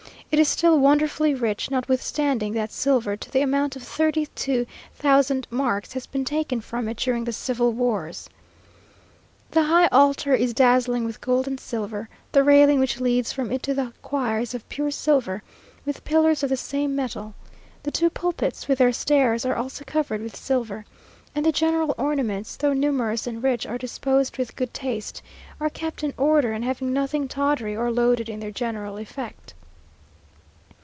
It is still wonderfully rich, notwithstanding that silver to the amount of thirty two thousand marks has been taken from it during the civil wars. The high altar is dazzling with gold and silver; the railing which leads from it to the choir is of pure silver, with pillars of the same metal; the two pulpits, with their stairs, are also covered with silver; and the general ornaments, though numerous and rich, are disposed with good taste, are kept in order, and have nothing tawdry or loaded in their general effect.